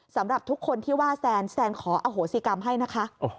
สำหรับทุกคนที่ว่าแซนแซนขออโหสิกรรมให้นะคะ